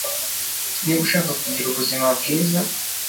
niba ushaka kugira ubuzima bwiza